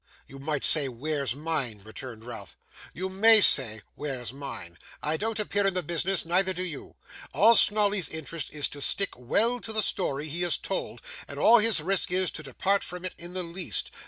'You might say where's mine!' returned Ralph; 'you may say where's mine. I don't appear in the business, neither do you. All Snawley's interest is to stick well to the story he has told; and all his risk is, to depart from it in the least.